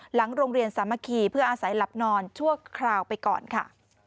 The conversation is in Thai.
หลังโรงเรียนสามัคคีเพื่ออาศัยหลับนอนชั่วคราวไปก่อนค่ะ